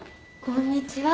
こんにちは。